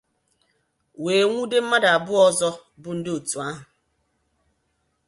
wee nwude mmadụ abụọ ọzọ bụ ndị òtù ahụ